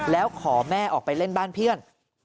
แล้วขอแม่ออกไปเล่นบ้านเพื่อน